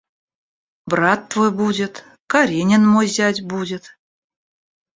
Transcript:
Брат твой будет, Каренин, мой зять, будет.